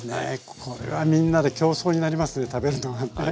これはみんなで競争になりますね食べるのがね。